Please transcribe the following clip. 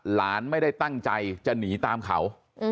หลานไม่ได้ตั้งใจจะหนีตามเขา